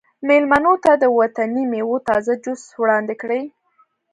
میلمنو ته د وطني میوو تازه جوس وړاندې کړئ